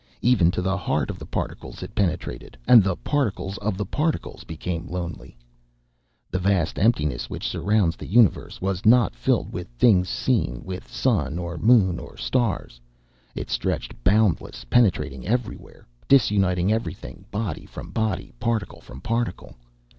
Even to the heart of the particles it penetrated, and the particles of the particles became lonely_. _The vast emptiness which surrounds the universe, was not filled with things seen, with sun or moon or stars; it stretched boundless, penetrating everywhere, disuniting everything, body from body, particle from particle_.